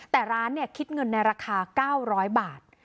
แต่ร้านคิดเงินในราคา๙๐๐บาท